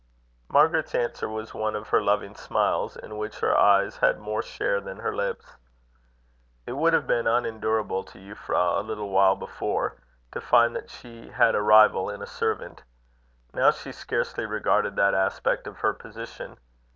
Margaret's answer was one of her loving smiles, in which her eyes had more share than her lips. It would have been unendurable to Euphra, a little while before, to find that she had a rival in a servant. Now she scarcely regarded that aspect of her position.